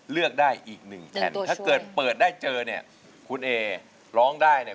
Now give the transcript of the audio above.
เลือกได้อีกหนึ่งแผ่นถ้าเกิดเปิดได้เจอเนี่ยคุณเอร้องได้เนี่ย